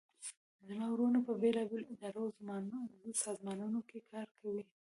زما وروڼه په بیلابیلو اداراو او سازمانونو کې کار کوي